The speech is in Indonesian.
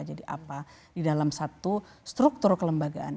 jadi apa di dalam satu struktur kelembagaan